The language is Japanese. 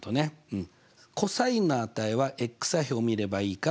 うん。